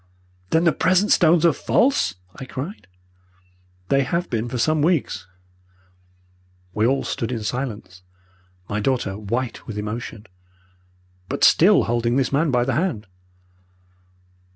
"'Then the present stones are false?' I cried. "'They have been for some weeks.' "We all stood in silence, my daughter white with emotion, but still holding this man by the hand.